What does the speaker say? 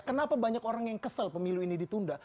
kenapa banyak orang yang kesel pemilu ini ditunda